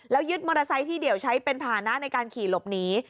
แล้วยึดมอเตอร์ไซค์ที่เดี่ยวใช้เป็นภานะในการขี่หลบหนี